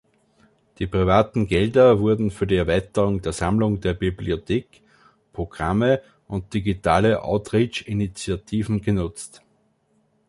Die privaten Gelder wurden für die Erweiterung der Sammlung der Bibliothek, Programme und digitale Outreach-Initiativen genutzt.